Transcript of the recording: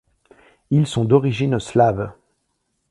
Ils sont d'origine slave.